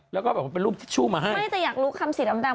แล้วก็แบบว่าเป็นรูปทิชชู่มาให้ไม่แต่อยากรู้คำสีดำดำ